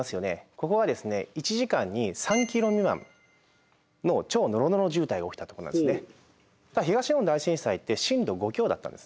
ここが１時間に３キロ未満の超のろのろ渋滞が起きたとこなんですね。